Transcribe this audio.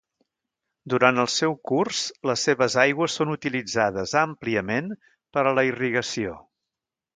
Durant el seu curs, les seves aigües són utilitzades àmpliament per a la irrigació.